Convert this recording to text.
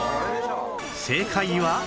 正解は